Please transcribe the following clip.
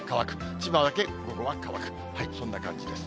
千葉だけ午後は乾く、そんな感じです。